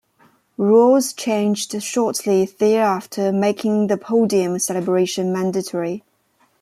Rules changed shortly thereafter making the podium celebration mandatory.